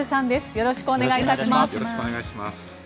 よろしくお願いします。